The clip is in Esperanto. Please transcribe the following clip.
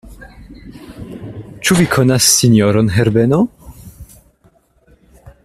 Ĉu vi konas sinjoron Herbeno?